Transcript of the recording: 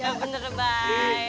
ya bener baik